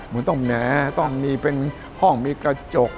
มันต้องแหนต้องมีเป็นห้องมีกระจก